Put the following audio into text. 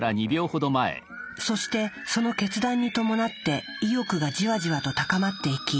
そしてその決断に伴って意欲がじわじわと高まっていき